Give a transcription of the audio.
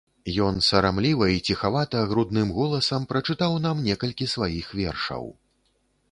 Ён сарамліва і ціхавата, грудным голасам, прачытаў нам некалькі сваіх вершаў.